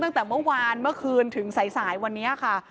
ตั้งแต่เมื่อวานเมื่อคืนถึงสายวันนี้ค่ะ